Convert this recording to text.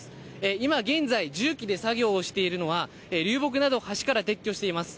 今現在、重機で作業をしているのは、流木などを橋から撤去しています。